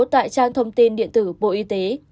tại trang thông tin điện tử bộ y tế